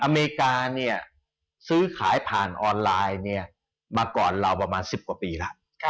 อเมริกาเนี่ยซื้อขายผ่านออนไลน์มาก่อนเราประมาณ๑๐กว่าปีแล้ว